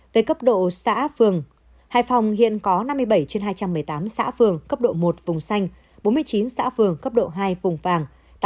về cấp độ xã phường hải phòng hiện có năm mươi bảy trên hai trăm một mươi tám xã phường cấp độ một vùng xanh bốn mươi chín xã phường cấp độ hai vùng vàng